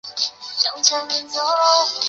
海因里希五世。